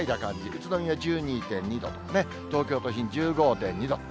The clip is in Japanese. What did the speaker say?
宇都宮１２．２度、東京都心１５．２度。